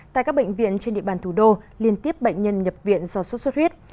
tại các bệnh viện trên địa bàn thủ đô liên tiếp bệnh nhân nhập viện do sốt xuất huyết